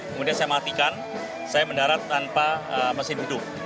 kemudian saya matikan saya mendarat tanpa mesin hidup